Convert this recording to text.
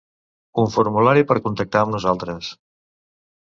Un formulari per contactar amb nosaltres.